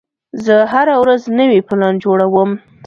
زه هره ورځ نوی پلان جوړوم.